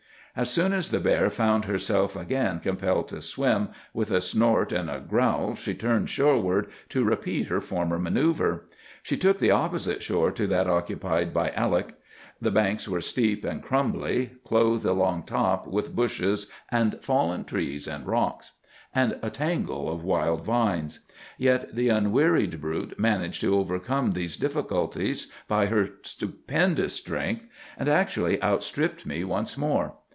"As soon as the bear found herself again compelled to swim, with a snort and a growl she turned shoreward to repeat her former manœuvre. She took the opposite shore to that occupied by Alec. The banks were steep and crumbly, clothed along top with bushes and fallen trees and rocks, and a tangle of wild vines. Yet the unwearied brute managed to overcome these difficulties by her stupendous strength, and actually outstripped me once more.